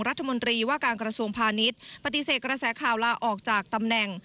รัฐมนตรีว่าการกระทรวงพาณิชย์ปฏิเสธกระแสข่าวลาออกจากตำแหน่ง